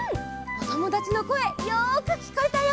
おともだちのこえよくきこえたよ。